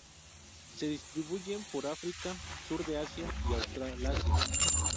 Se distribuyen por África, sur de Asia y Australasia.